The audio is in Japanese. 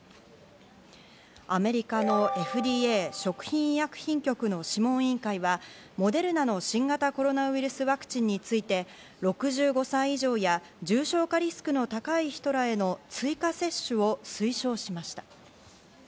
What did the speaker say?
アメリカのＦＤＡ＝食品医薬品局の諮問委員会は、モデルナの新型コロナウイルスワクチンについて６５歳以上や重症化リスクの高い人らへの追加接種を推奨しました。